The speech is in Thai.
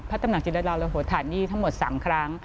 ตำหนักจิตรดาลโหธานีทั้งหมด๓ครั้ง